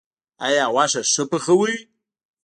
ایا غوښه ښه پخوئ؟